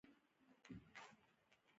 د افغانستان پوستینونه ګرم دي